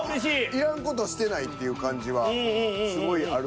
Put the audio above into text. いらん事してないっていう感じはすごいある。